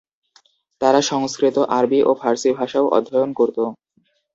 তারা সংস্কৃত, আরবী এবং ফারসি ভাষাও অধ্যয়ন করত।